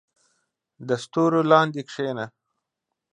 • د ستورو لاندې کښېنه.